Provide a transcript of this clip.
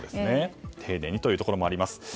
丁寧にというところもあります。